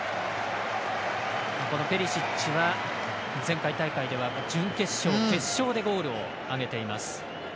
ペリシッチは前回大会では準決勝、決勝でゴールを挙げています。